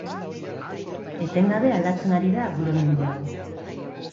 Etengabe aldatzen ari da gure mundu hau.